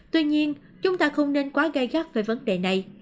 tuy nhiên chúng ta không nên quá gây gắt về vấn đề này